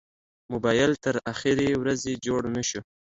موبایل تر اخرې ورځې جوړ نه شو.